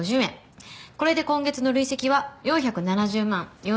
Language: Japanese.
これで今月の累積は４７０万４、３５０円。